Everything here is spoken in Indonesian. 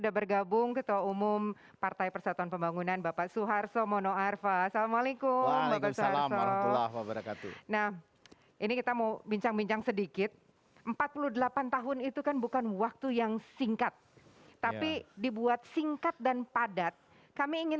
dan sebelum kita lanjutkan lagi bapak soeharto kami juga mengajak anda pemirsa untuk mengikuti acara ini